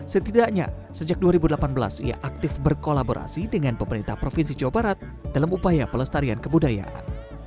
setidaknya sejak dua ribu delapan belas ia aktif berkolaborasi dengan pemerintah provinsi jawa barat dalam upaya pelestarian kebudayaan